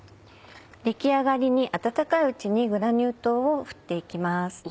出来上がりに温かいうちにグラニュー糖を振っていきます。